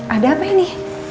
ada apa ini